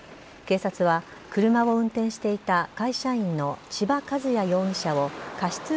警察は車を運転していた会社員の千葉和也容疑者を過失